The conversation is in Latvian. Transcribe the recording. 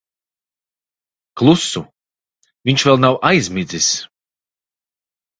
Klusu. Viņš vēl nav aizmidzis.